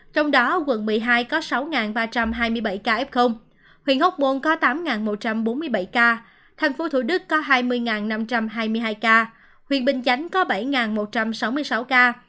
trong đó quận một mươi hai có sáu ba trăm hai mươi bảy ca f huyện hóc môn có tám một trăm bốn mươi bảy ca thành phố thủ đức có hai mươi năm trăm hai mươi hai ca huyện bình chánh có bảy một trăm sáu mươi sáu ca